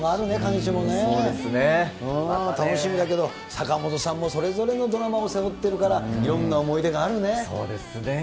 楽しみだけど、坂本さんもそれぞれのドラマを背負っているから、いろんな思い出そうですね。